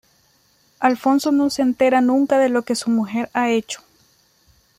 Alfonso no se entera nunca de lo que su mujer ha hecho.